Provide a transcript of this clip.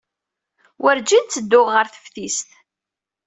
Wurǧin ttedduɣ ɣer teftist.